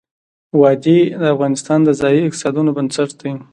وادي د افغانستان د ځایي اقتصادونو بنسټ دی.